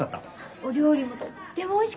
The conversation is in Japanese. お料理もとってもおいしかった。